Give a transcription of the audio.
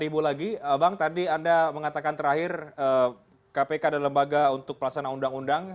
buat undang undang itu kewenangan